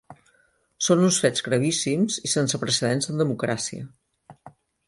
Són uns fets gravíssims i sense precedents en democràcia.